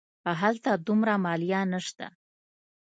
هلته دومره مالیه نه شته.